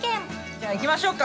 ◆じゃあ行きましょうか。